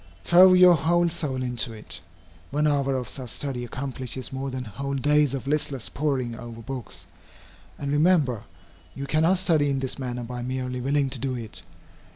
Throw your whole soul into it. One hour of such study accomplishes more than whole days of listless poring over books. And, remember, you cannot study in this manner by merely willing to do it.